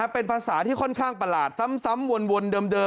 เป็นภาษาที่ค่อนข้างประหลาดซ้ำวนเดิม